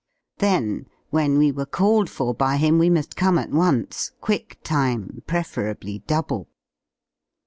Then, ivhen we were called for by him we muli come at once, quick time, preferably double.